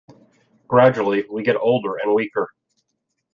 Gradually we get older and weaker.